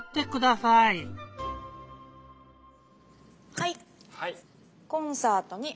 はい。